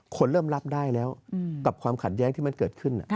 คนเริ่มรับได้แล้วกับความขัดแย้งที่มันเกิดขึ้น